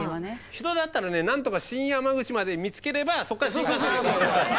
人だったら何とか新山口まで見つければそっから新幹線。